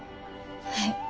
はい。